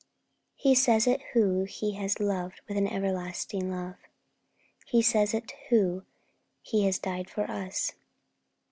He says it who has loved us with an everlasting love. He says it who has died for us.